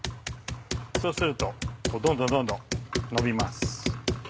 そうするとどんどんどんどんのびます。